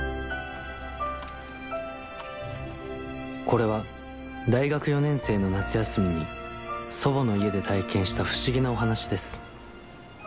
これは大学４年生の夏休みに祖母の家で体験した不思議なお話です。